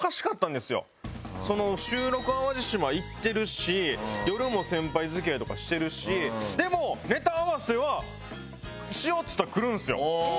週６淡路島行ってるし夜も先輩付き合いとかしてるしでもネタ合わせはしようって言ったら来るんですよ。